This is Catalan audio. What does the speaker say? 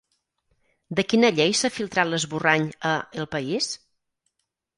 De quina llei s'ha filtrat l'esborrany a El País?